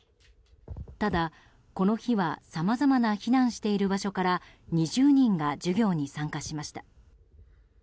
ただ、この日はさまざまな避難している場所から２０人が授業に参加しました。